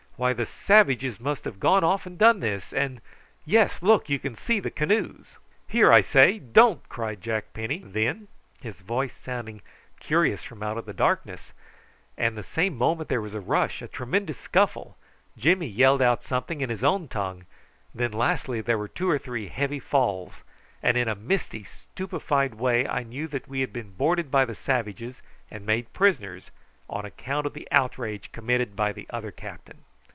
"Why, the savages must have gone off and done this, and yes, look, you can see the canoes." "Here, I say, don't!" cried Jack Penny then, his voice sounding curious from out of the darkness; and the same moment there was a rush, a tremendous scuffle, Jimmy yelled out something in his own tongue, and then lastly there were two or three heavy falls; and in a misty, stupefied way I knew that we had been boarded by the savages and made prisoners, on account of the outrage committed by the other captain.